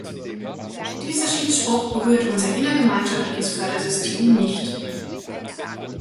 Dieser Schiedsspruch berührt unser innergemeinschaftliches Fördersystem nicht.